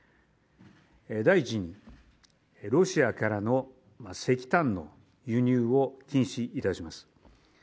第１に、ロシアからの石炭の輸入を禁止いたします。